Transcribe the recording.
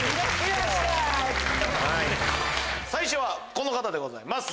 最初はこの方でございます。